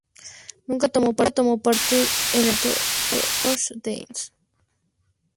Nunca tomó parte en el movimiento Ghost Dance.